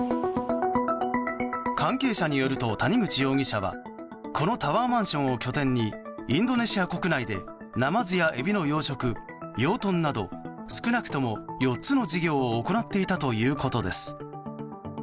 関係者によると谷口容疑者はこのタワーマンションを拠点にインドネシア国内でナマズやエビの養殖、養豚など少なくとも４つの事業を行っていたということです。